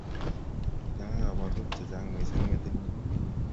Kinyia kabwatutik che chang mising metinyu